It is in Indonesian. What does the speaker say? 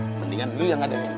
mendingan lu yang ngadain si sulam